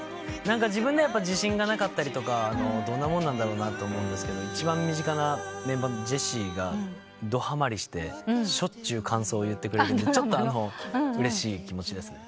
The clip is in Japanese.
自分では自信がなかったりどんなもんなんだろうと思うんですけど一番身近なメンバーのジェシーがどはまりしてしょっちゅう感想を言ってくれるんでうれしい気持ちですね。